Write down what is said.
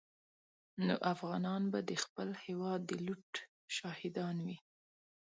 نو افغانان به د خپل هېواد د لوټ شاهدان وي.